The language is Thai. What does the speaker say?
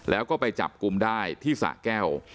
แล้วก็ไปจับกลุ่มได้ที่สะแก้ว